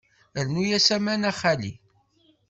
Rnu-as aman a xali.